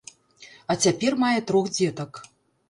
А цяпер мае трох дзетак.